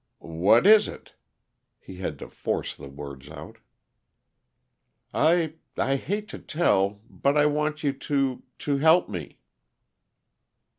"What is it?" He had to force the words out. "I I hate to tell, but I want you to to help me."